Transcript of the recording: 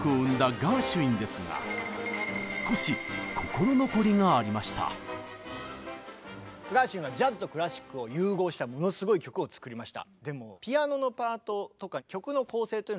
ガーシュウィンはジャズとクラシックを融合したものすごい曲を作りました。